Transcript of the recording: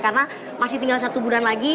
karena masih tinggal satu bulan lagi